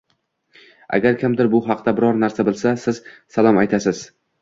Agar kimdir bu haqda biror narsa bilsa, siz salom aytasiz